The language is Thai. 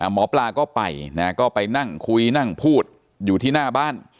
หมอปลาก็ไปนะก็ไปนั่งคุยนั่งพูดอยู่ที่หน้าบ้าน